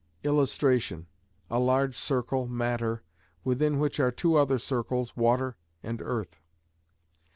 [Illustration: A large circle, "matter", within which are two other circles, "water" and "earth".